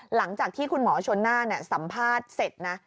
หลังจากที่คุณหมอชนน่าสัมภาษณ์เสร็จนะ